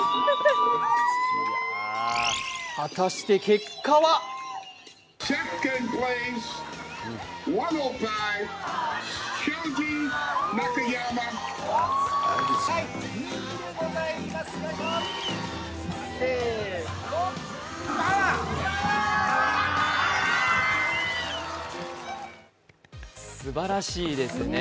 果たして結果はすばらしいですね。